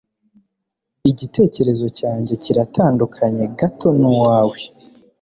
Igitekerezo cyanjye kiratandukanye gato nuwawe.